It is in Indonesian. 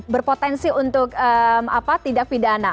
berpotensi untuk tidak pidana